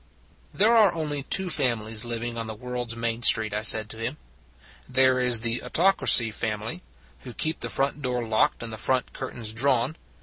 There are only two families living on the world s Main Street, I said to him. There is the Autocracy family, who keep the front gate locked and the front curtains drawn.